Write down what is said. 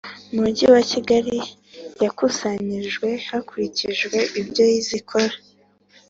Mujyi wa Kigali yakusanyijwe hakurikijwe ibyo zikora